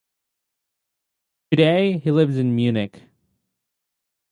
Today he lives in Munich.